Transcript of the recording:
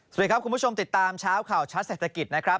สวัสดีครับคุณผู้ชมติดตามเช้าข่าวชัดเศรษฐกิจนะครับ